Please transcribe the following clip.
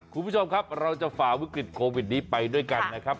คุณผู้ชมครับเราจะฝ่าวิกฤตโควิดนี้ไปด้วยกันนะครับ